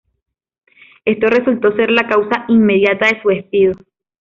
Esto resultó ser la causa inmediata de su despido.